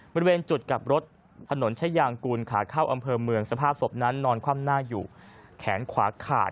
บริเวณจุดกลับรถถนนชายางกูลขาเข้าอำเภอเมืองสภาพศพนั้นนอนคว่ำหน้าอยู่แขนขวาขาด